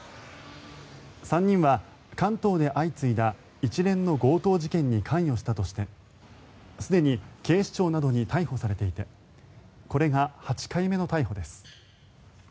３人は関東で相次いだ一連の強盗事件に関与したとしてすでに警視庁などに逮捕されていてこれが８回目の逮捕です。